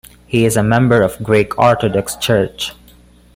He is a member of the Greek Orthodox Church.